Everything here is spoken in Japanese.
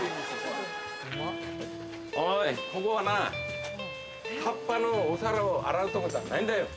おい、ここはな、カッパのお皿を洗う所じゃないんだよ。